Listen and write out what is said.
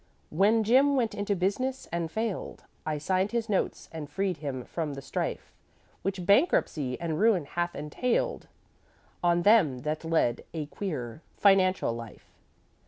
"'When Jim went into business and failed, I signed his notes and freed him from the strife Which bankruptcy and ruin hath entailed On them that lead a queer financial life.